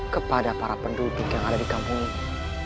kepada para penduduk yang ada di kampung ini